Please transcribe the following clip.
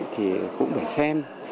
thì cũng phải xem